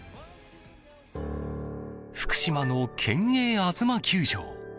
福島の県営あづま球場。